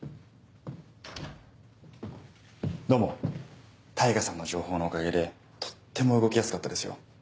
どうも大牙さんの情報のおかげでとっても動きやすかったですよ